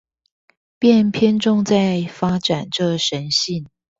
便偏重在發展這神性